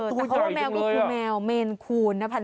แต่เขาบอกแมวนี่คือแมวเมนคูณนะ